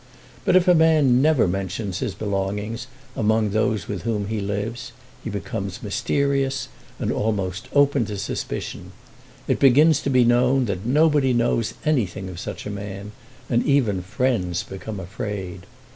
But if a man never mentions his belongings among those with whom he lives, he becomes mysterious, and almost open to suspicion. It begins to be known that nobody knows anything of such a man, and even friends become afraid.